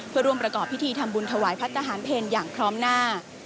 เพื่อร่วมประกอบพิธีทำบุญถวายพัฒนาหารเพลอย่างพร้อมหน้า